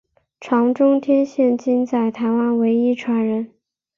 常中天现今在台湾唯一传人。